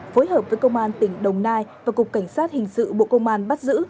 phối hợp với công an tỉnh đồng nai và cục cảnh sát hình sự bộ công an bắt giữ